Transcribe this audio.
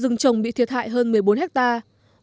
rừng trồng bị thiệt hại hơn một mươi bốn hectare